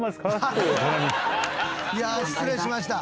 いやあ失礼しました。